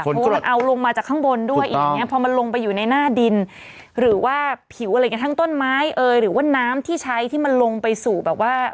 เพราะว่ามันเอาลงมาจากข้างบนด้วยอย่างเงี้พอมันลงไปอยู่ในหน้าดินหรือว่าผิวอะไรอย่างเงี้ทั้งต้นไม้เอ่ยหรือว่าน้ำที่ใช้ที่มันลงไปสู่แบบว่า